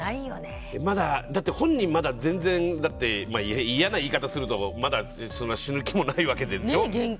だって、本人まだ全然嫌な言い方をするとまだ死ぬ気もないわけでしょ。